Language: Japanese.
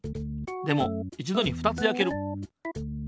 でもいちどに２つやける。